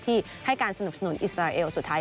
ที่ให้การสนับสนุนอิสราเอลสุดท้าย